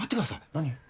何？